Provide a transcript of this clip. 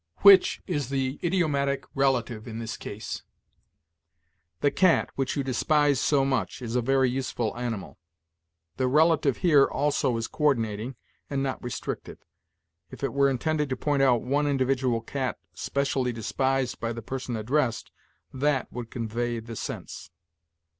'Which' is the idiomatic relative in this case. 'The cat, which you despise so much, is a very useful animal.' The relative here also is coördinating, and not restrictive. If it were intended to point out one individual cat specially despised by the person addressed, 'that' would convey the sense.